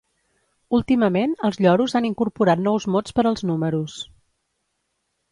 Últimament els lloros han incorporat nous mots per als números.